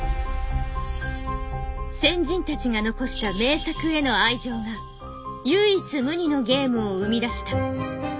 先人たちが残した名作への愛情が唯一無二のゲームを生み出した。